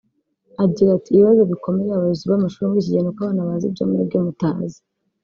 Agira ati “Ibibazo bikomereye abayobozi b’amashuri muri iki gihe ni uko abana bazi ibyo mwebwe mutazi